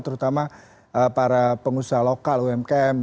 terutama para pengusaha lokal umkm